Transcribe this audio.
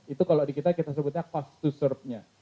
itu kalau di kita kita sebutnya cost to surp nya